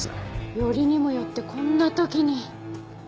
よりにもよってこんな時に。